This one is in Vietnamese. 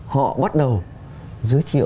họ bắt đầu giới thiệu